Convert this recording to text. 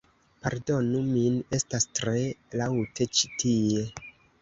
Pardonu min estas tre laŭte ĉi tie